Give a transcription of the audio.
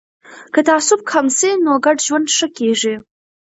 که تعصب کم سي نو ګډ ژوند ښه کیږي.